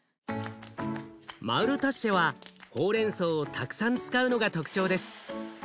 マウルタッシェはほうれんそうをたくさん使うのが特徴です。